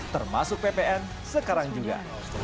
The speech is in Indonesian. termasuk ppn sekarang juga